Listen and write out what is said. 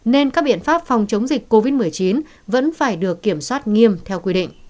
nên các biện pháp phòng chống dịch covid một mươi chín vẫn phải được kiểm soát nghiêm theo quy định